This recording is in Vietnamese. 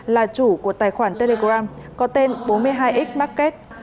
là chủ của tài khoản telegram có tên bốn mươi hai x market